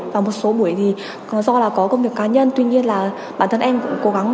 và một số buổi do có công việc cá nhân tuy nhiên là bản thân em cũng cố gắng